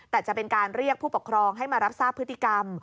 แต่จะเป็นการเรียกผู้ปกครองให้มารับทราบพฤติกรรม